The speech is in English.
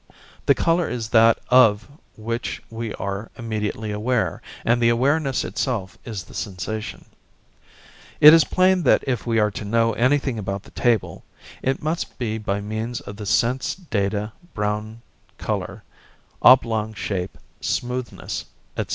The colour is that of which we are immediately aware, and the awareness itself is the sensation. It is plain that if we are to know anything about the table, it must be by means of the sense data brown colour, oblong shape, smoothness, etc.